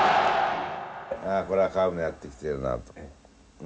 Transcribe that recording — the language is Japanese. ああこれはカーブ狙ってきてるなとね。